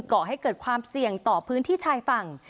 ก่อให้เกิดความเสี่ยงต่อพื้นที่ชายฝั่ง